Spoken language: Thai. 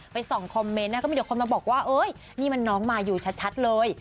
ส่องคอมเมนต์ก็มีเดี๋ยวคนมาบอกว่าเอ้ยนี่มันน้องมายูชัดเลย